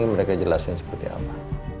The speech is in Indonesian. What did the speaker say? mereka jelasin seperti apa